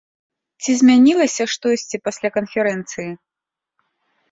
Ці змянілася штосьці пасля канферэнцыі?